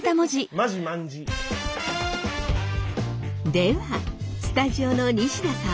ではスタジオの西田さん。